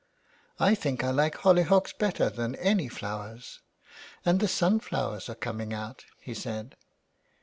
" I think I like hollyhocks better than any flowers, and the sunflowers are coming out," he said.